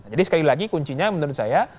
jadi sekali lagi kuncinya menurut saya